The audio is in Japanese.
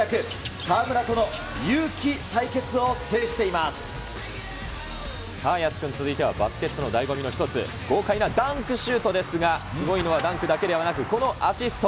河村とのゆうき対決を制してさあ、ヤス君、続いてはバスケットのだいご味の一つ、豪快なダンクシュートですが、すごいのはダンクだけではなく、このアシスト。